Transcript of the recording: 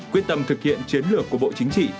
quyết tâm thực hiện chiến lược của bộ chính trị